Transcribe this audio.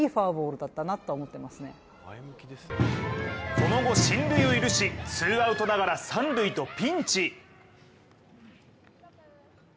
その後、進塁を許しツーアウトながら三塁とピンチ。